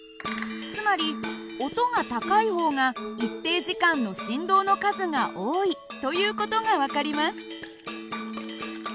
つまり音が高い方が一定時間の振動の数が多いという事が分かります。